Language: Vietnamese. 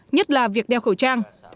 nhất là việc đeo khẩu trang